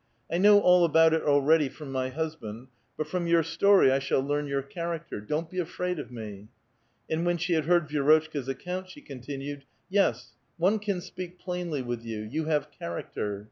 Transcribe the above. I know all about it already from my husband, but from your story I shall learn your character. Don't be afraid of me." And when she had heard Vi^rotchka's account, she continued :—'' Yes, one can speak plainly with you ; you have char acter."